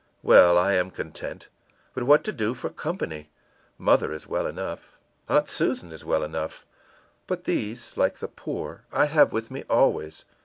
Well, I am content. But what to do for company? Mother is well enough, Aunt Susan is well enough; but these, like the poor, I have with me always.